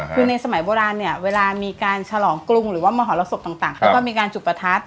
คือในสมัยโบราณเนี่ยเวลามีการฉลองกรุงหรือว่ามหรสบต่างเขาก็มีการจุดประทัด